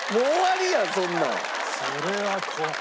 それは怖い。